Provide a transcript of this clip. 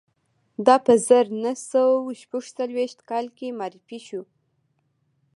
دا په زر نه سوه شپږ څلویښت کال کې معرفي شو